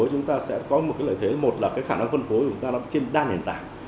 chúng ta sẽ có một cái lợi thế một là cái khả năng phân phối của chúng ta trên đa nền tảng